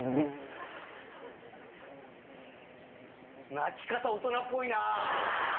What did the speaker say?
泣き方大人っぽいなぁ！